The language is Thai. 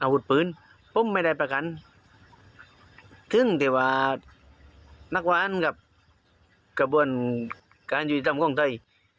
อาวุธปืนพรุ่งไม่ได้ประกันถึงที่วาดนักวานกับกระบวนการยูดิตรรรมกองเทย์